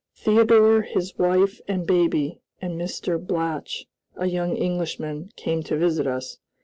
Theodore, his wife, and baby, and Mr. Blatch, a young Englishman, came to visit us.